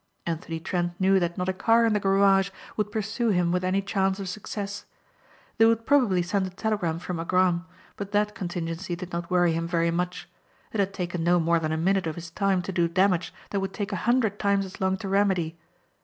Anthony Trent knew that not a car in the garage would pursue him with any chance of success. They would probably send a telegram from Agram but that contingency did not worry him very much. It had taken no more than a minute of his time to do damage that would take a hundred times as long to remedy.